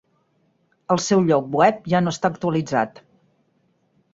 El seu lloc web ja no està actualitzat.